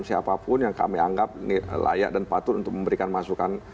siapapun yang kami anggap layak dan patut untuk memberikan masukan